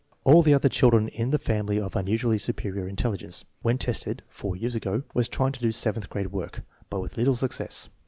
All the other children in the family of unusually superior intelligence. When tested (four years ago) was trying to do seventh grade work, but with little success.